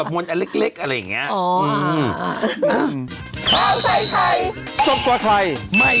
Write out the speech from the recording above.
มันก็ต้องปฏิบัติสวัสดิ์มนต์อันเล็กอะไรอย่างเงี้ย